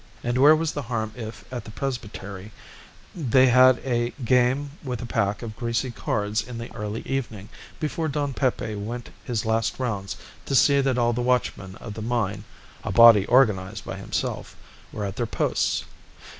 And where was the harm if, at the presbytery, they had a game with a pack of greasy cards in the early evening, before Don Pepe went his last rounds to see that all the watchmen of the mine a body organized by himself were at their posts?